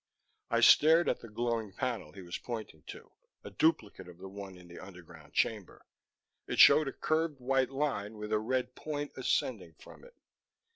I stared at the glowing panel he was pointing to a duplicate of the one in the underground chamber. It showed a curved white line, with a red point ascending from it.